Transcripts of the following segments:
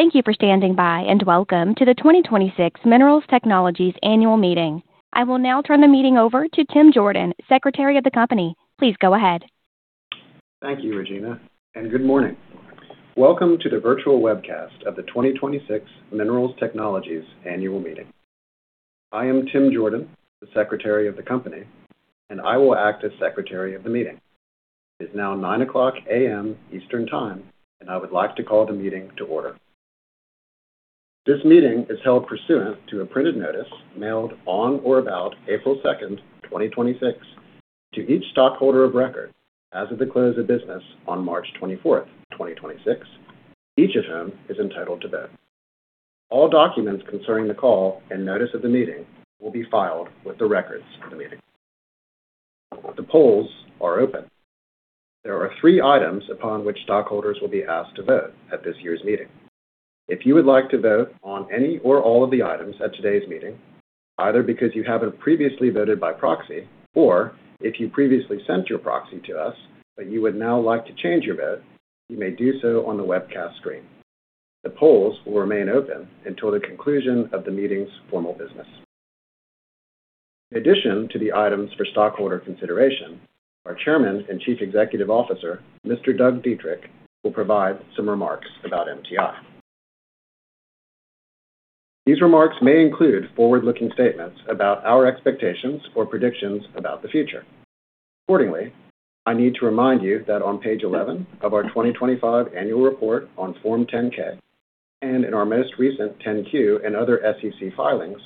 Thank you for standing by, and welcome to the 2026 Minerals Technologies annual meeting. I will now turn the meeting over to Tim Jordan, secretary of the company. Please go ahead. Thank you, Regina, and good morning. Welcome to the virtual webcast of the 2026 Minerals Technologies annual meeting. I am Tim Jordan, the secretary of the company, and I will act as secretary of the meeting. It is now 9:00 A.M. Eastern Time, and I would like to call the meeting to order. This meeting is held pursuant to a printed notice mailed on or about April 2nd, 2026 to each stockholder of record as of the close of business on March 24th, 2026, each of whom is entitled to vote. All documents concerning the call and notice of the meeting will be filed with the records of the meeting. The polls are open. There are three items upon which stockholders will be asked to vote at this year's meeting. If you would like to vote on any or all of the items at today's meeting, either because you haven't previously voted by proxy or if you previously sent your proxy to us but you would now like to change your vote, you may do so on the webcast screen. The polls will remain open until the conclusion of the meeting's formal business. In addition to the items for stockholder consideration, our Chairman and Chief Executive Officer, Mr. Doug Dietrich, will provide some remarks about MTI. These remarks may include forward-looking statements about our expectations or predictions about the future. Accordingly, I need to remind you that on page 11 of our 2025 annual report on Form 10-K and in our most recent 10-Q and other SEC filings,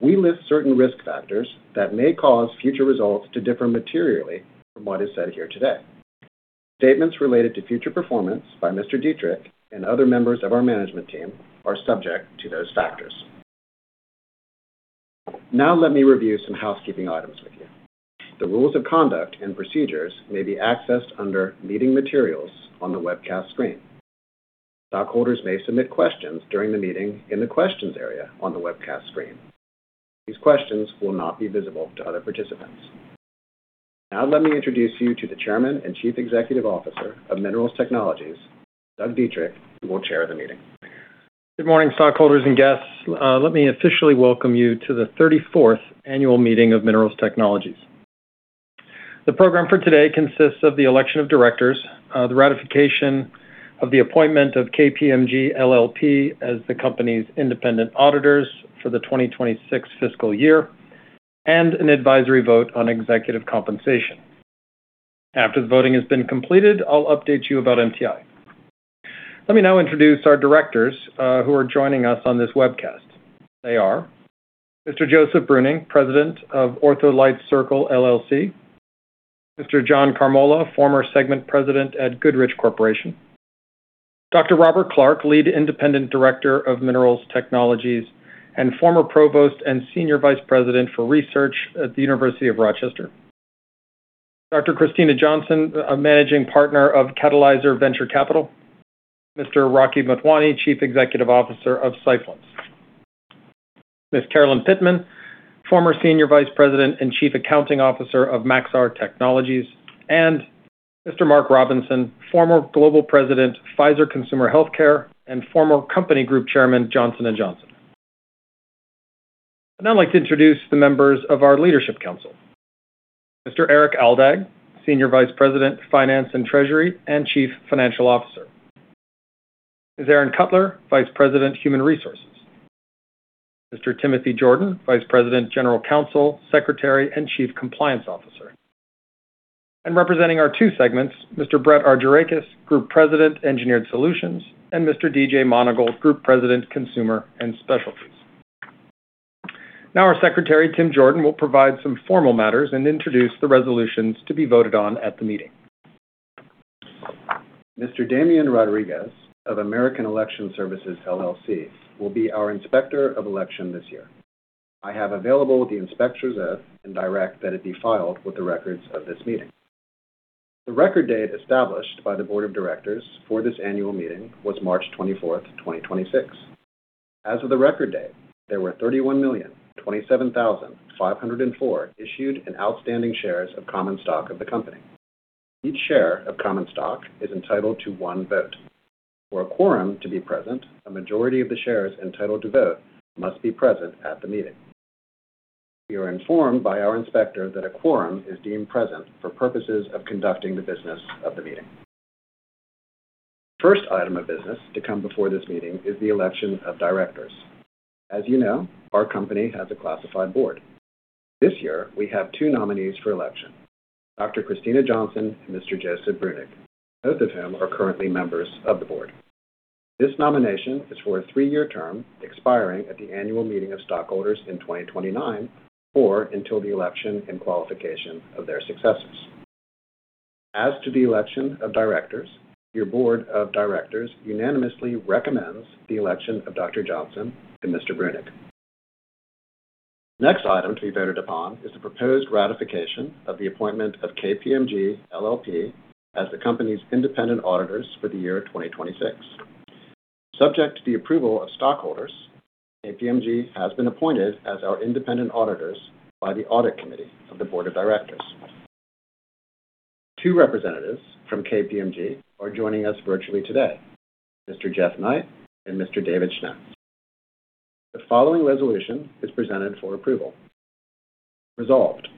we list certain risk factors that may cause future results to differ materially from what is said here today. Statements related to future performance by Mr. Dietrich and other members of our management team are subject to those factors. Let me review some housekeeping items with you. The rules of conduct and procedures may be accessed under Meeting Materials on the webcast screen. Stockholders may submit questions during the meeting in the questions area on the webcast screen. These questions will not be visible to other participants. Let me introduce you to the Chairman and Chief Executive Officer of Minerals Technologies, Doug Dietrich, who will chair the meeting. Good morning, stockholders and guests. Let me officially welcome you to the 34th annual meeting of Minerals Technologies. The program for today consists of the election of directors, the ratification of the appointment of KPMG LLP as the company's independent auditors for the 2026 fiscal year, and an advisory vote on executive compensation. After the voting has been completed, I'll update you about MTI. Let me now introduce our directors who are joining us on this webcast. They are Mr. Joseph Breunig, president of OrthoLite Cirql LLC; Mr. John Carmola, former segment president at Goodrich Corporation; Dr. Robert L. Clark, lead independent director of Minerals Technologies and former provost and senior vice president for research at the University of Rochester; Dr. Kristina Johnson, a managing partnr of Catalyzer Venture Capital; Mr. Rocky Motwani, chief executive officer of Cyphlens; Ms. Carolyn Pittman, former senior vice president and chief accounting officer of Maxar Technologies; and Mr. Marc E. Robinson, former global president, Pfizer Consumer Healthcare and former company group chairman, Johnson & Johnson. I'd now like to introduce the members of our leadership council. Mr. Erik C. Aldag, senior vice president, finance and treasury, and chief financial officer. Ms. Erin Cutler, vice president, human resources. Mr. Timothy Jordan, vice president, general counsel, secretary, and chief compliance officer. Representing our two segments, Mr. Brett Argirakis, Group President, Engineered Solutions, and Mr. D.J. Monagle, Group President, Consumer & Specialties. Our Secretary, Tim Jordan, will provide some formal matters and introduce the resolutions to be voted on at the meeting. Mr. Damian Rodriguez of American Election Services, LLC will be our inspector of election this year. I have available the inspector's oath and direct that it be filed with the records of this meeting. The record date established by the board of directors for this annual meeting was March 24th, 2026. As of the record date, there were 31,027,504 issued and outstanding shares of common stock of the company. Each share of common stock is entitled to one vote. For a quorum to be present a majority of the shares entitled to vote must be present at the meeting. We are informed by our inspector that a quorum is deemed present for purposes of conducting the business of the meeting. The first item of business to come before this meeting is the election of directors. As you know, our company has a classified board. This year, we have two nominees for election, Dr. Kristina Johnson and Mr. Joseph Breunig, both of whom are currently members of the board. This nomination is for a three-year term expiring at the annual meeting of stockholders in 2029 or until the election and qualification of their successors. As to the election of directors, your board of directors unanimously recommends the election of Dr. Kristina Johnson and Mr. Joseph Breunig. The next item to be voted upon is the proposed ratification of the appointment of KPMG LLP as the company's independent auditors for the year 2026. Subject to the approval of stockholders, KPMG has been appointed as our independent auditors by the audit committee of the board of directors. Two representatives from KPMG are joining us virtually today, Mr. Jeffrey Knight and Mr. David Schnepp. The following resolution is presented for approval. Resolved,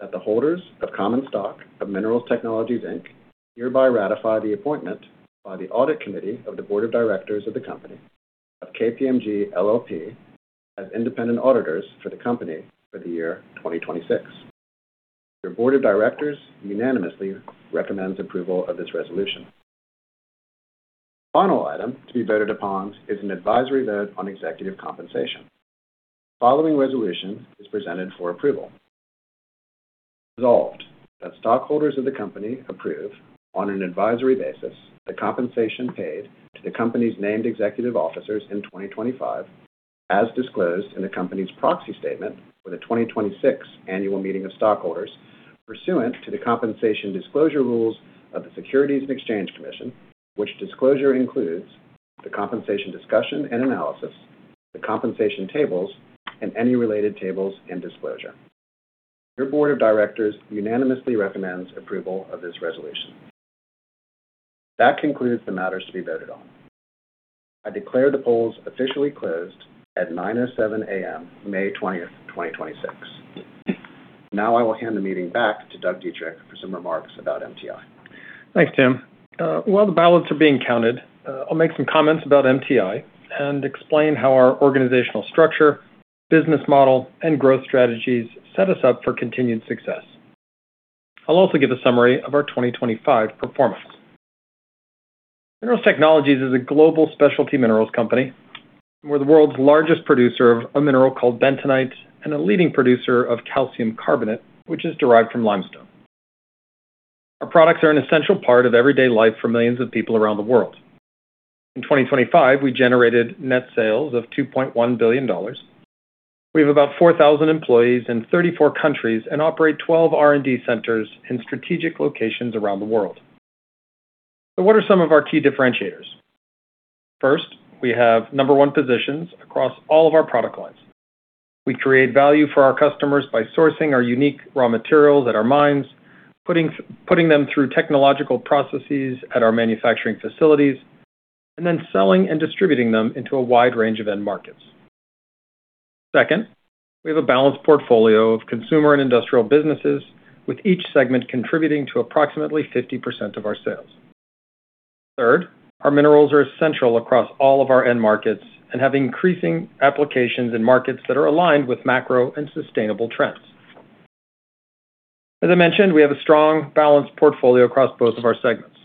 that the holders of common stock of Minerals Technologies Inc. hereby ratify the appointment by the audit committee of the board of directors of the company of KPMG LLP as independent auditors for the company for the year 2026. Your board of directors unanimously recommends approval of this resolution. Final item to be voted upon is an advisory vote on executive compensation. The following resolution is presented for approval. Resolved, That stockholders of the company approve, on an advisory basis, the compensation paid to the company's named executive officers in 2025, as disclosed in the company's proxy statement for the 2026 annual meeting of stockholders pursuant to the compensation disclosure rules of the Securities and Exchange Commission, which disclosure includes the compensation discussion and analysis, the compensation tables, and any related tables and disclosure. Your board of directors unanimously recommends approval of this resolution. That concludes the matters to be voted on. I declare the polls officially closed at 9:07 A.M., May 20th, 2026. Now I will hand the meeting back to Doug Dietrich for some remarks about MTI. Thanks, Tim. While the ballots are being counted, I'll make some comments about MTI and explain how our organizational structure, business model, and growth strategies set us up for continued success. I'll also give a summary of our 2025 performance. Minerals Technologies is a global specialty minerals company. We're the world's largest producer of a mineral called bentonite and a leading producer of calcium carbonate, which is derived from limestone. Our products are an essential part of everyday life for millions of people around the world. In 2025, we generated net sales of $2.1 billion. We have about 4,000 employees in 34 countries and operate 12 R&D centers in strategic locations around the world. What are some of our key differentiators. First, we have number one positions across all of our product lines. We create value for our customers by sourcing our unique raw materials at our mines, putting them through technological processes at our manufacturing facilities, and then selling and distributing them into a wide range of end markets. Second, we have a balanced portfolio of consumer and industrial businesses, with each segment contributing to approximately 50% of our sales. Third, our minerals are essential across all of our end markets and have increasing applications in markets that are aligned with macro and sustainable trends. As I mentioned, we have a strong, balanced portfolio across both of our segments.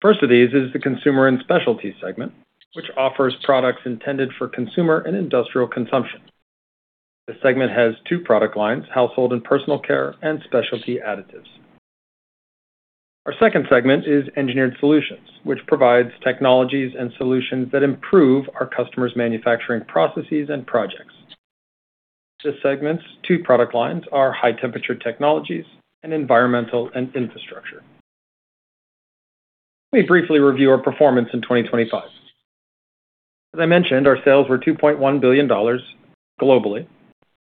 First of these is the Consumer & Specialties segment, which offers products intended for consumer and industrial consumption. This segment has two product lines, Household & Personal Care and Specialty Additives. Our second segment is Engineered Solutions, which provides technologies and solutions that improve our customers' manufacturing processes and projects. This segment's two product lines are High-Temperature Technologies and Environmental & Infrastructure. Let me briefly review our performance in 2025. As I mentioned, our sales were $2.1 billion globally.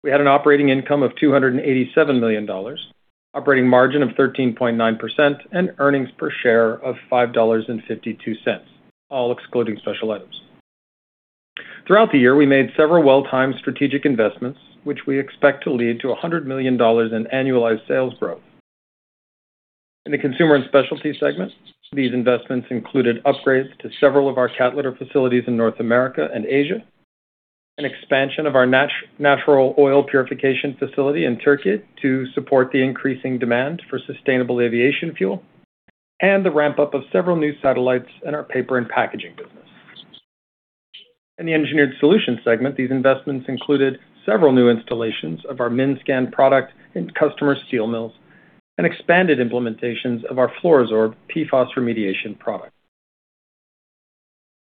We had an operating income of $287 million, operating margin of 13.9%, and earnings per share of $5.52, all excluding special items. Throughout the year, we made several well-timed strategic investments, which we expect to lead to $100 million in annualized sales growth. In the Consumer & Specialties segment, these investments included upgrades to several of our cat litter facilities in North America and Asia, an expansion of our natural oil purification facility in Turkey to support the increasing demand for sustainable aviation fuel, and the ramp-up of several new satellites in our paper and packaging business. In the Engineered Solutions segment, these investments included several new installations of our Minscan product in customer steel mills and expanded implementations of our FLUORO-SORB PFAS remediation product.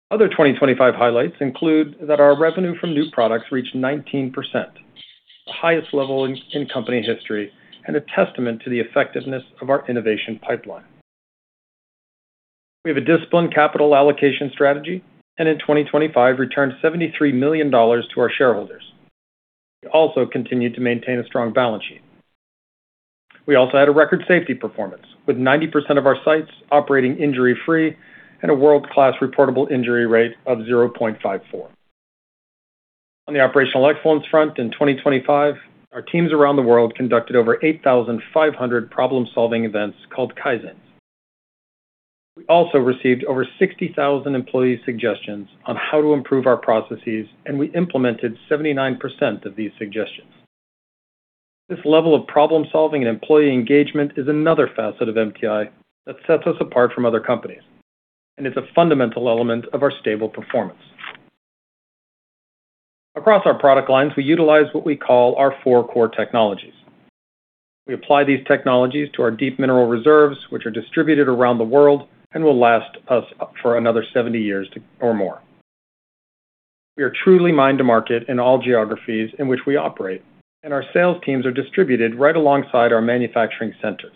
Other 2025 highlights include that our revenue from new products reached 19%, the highest level in company history, and a testament to the effectiveness of our innovation pipeline. We have a disciplined capital allocation strategy, and in 2025, returned $73 million to our shareholders. We also continued to maintain a strong balance sheet. We also had a record safety performance, with 90% of our sites operating injury-free and a world-class reportable injury rate of 0.54. On the operational excellence front in 2025, our teams around the world conducted over 8,500 problem-solving events called Kaizens. We also received over 60,000 employee suggestions on how to improve our processes, and we implemented 79% of these suggestions. This level of problem-solving and employee engagement is another facet of MTI that sets us apart from other companies, and it's a fundamental element of our stable performance. Across our product lines, we utilize what we call our four core technologies. We apply these technologies to our deep mineral reserves, which are distributed around the world and will last us for another 70 years or more. We are truly mine to market in all geographies in which we operate, and our sales teams are distributed right alongside our manufacturing centers.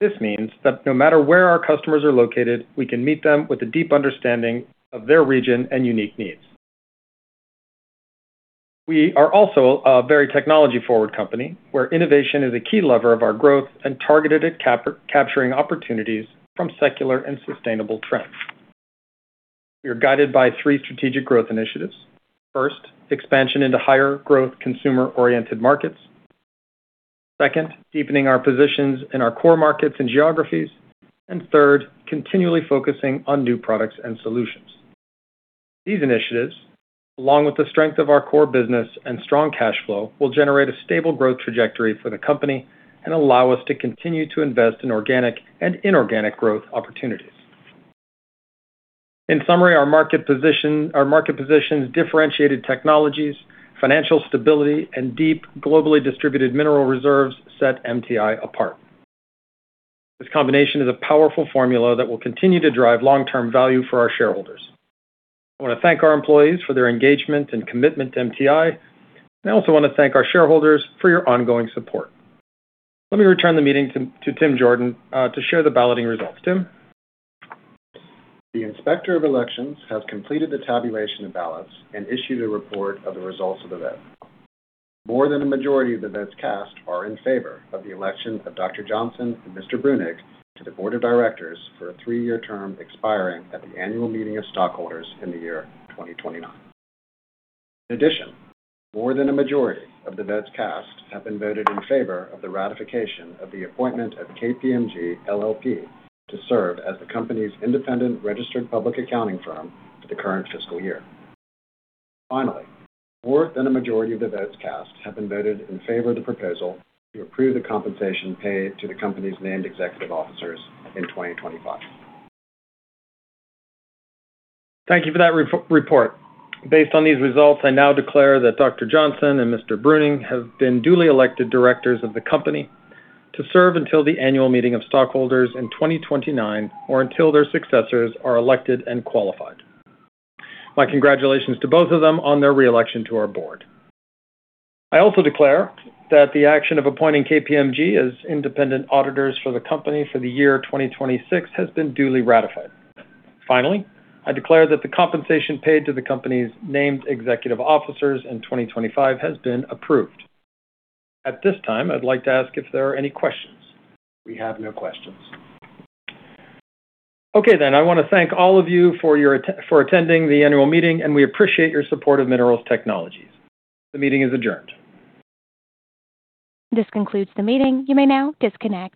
This means that no matter where our customers are located, we can meet them with a deep understanding of their region and unique needs. We are also a very technology-forward company where innovation is a key lever of our growth and targeted at capturing opportunities from secular and sustainable trends. We are guided by three strategic growth initiatives. First, expansion into higher growth consumer-oriented markets. Second, deepening our positions in our core markets and geographies. Third, continually focusing on new products and solutions. These initiatives, along with the strength of our core business and strong cash flow, will generate a stable growth trajectory for the company and allow us to continue to invest in organic and inorganic growth opportunities. In summary, our market position's differentiated technologies, financial stability, and deep, globally distributed mineral reserves set MTI apart. This combination is a powerful formula that will continue to drive long-term value for our shareholders. I want to thank our employees for their engagement and commitment to MTI. I also want to thank our shareholders for your ongoing support. Let me return the meeting to Tim Jordan to share the balloting results. Tim? The Inspector of Elections has completed the tabulation of ballots and issued a report of the results of the vote. More than a majority of the votes cast are in favor of the election of Dr. Johnson and Mr. Breunig to the board of directors for a three year term expiring at the annual meeting of stockholders in the year 2029. In addition, more than a majority of the votes cast have been voted in favor of the ratification of the appointment of KPMG LLP to serve as the company's independent registered public accounting firm for the current fiscal year. Finally, more than a majority of the votes cast have been voted in favor of the proposal to approve the compensation paid to the company's named executive officers in 2025. Thank you for that report. Based on these results, I now declare that Dr. Johnson and Mr. Breuning have been duly elected directors of the company to serve until the annual meeting of stockholders in 2029, or until their successors are elected and qualified. My congratulations to both of them on their re-election to our board. I also declare that the action of appointing KPMG as independent auditors for the company for the year 2026 has been duly ratified. I declare that the compensation paid to the company's named executive officers in 2025 has been approved. At this time, I'd like to ask if there are any questions. We have no questions. Okay. I want to thank all of you for attending the annual meeting. We appreciate your support of Minerals Technologies. The meeting is adjourned. This concludes the meeting. You may now disconnect.